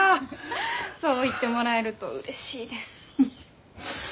そう言ってもらえるとうれしいです。